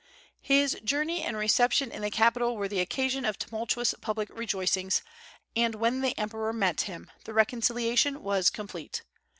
His journey and reception in the capital were the occasion of tumultuous public rejoicings, and when the emperor met him, the reconciliation was complete.